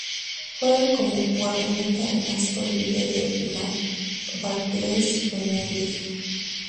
Juega como guardameta en Aston Villa de la Barclays Premier League.